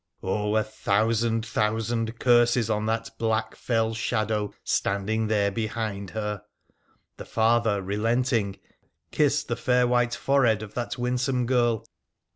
Oh ! a thousand thousand curses on that black fell shadow standing there behind her ! The father, relenting, kissed the fair white forehead of that winsome girl.